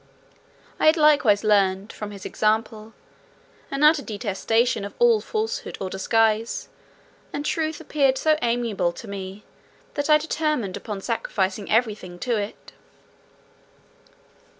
I had likewise learned, from his example, an utter detestation of all falsehood or disguise; and truth appeared so amiable to me, that I determined upon sacrificing every thing to it.